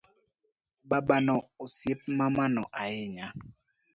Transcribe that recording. Babano osiep mamano ahinya